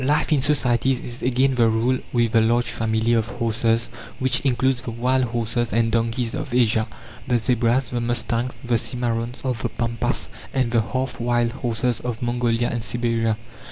Life in societies is again the rule with the large family of horses, which includes the wild horses and donkeys of Asia, the zebras, the mustangs, the cimarrones of the Pampas, and the half wild horses of Mongolia and Siberia.